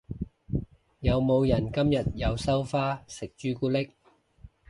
有冇人今日有收花食朱古力？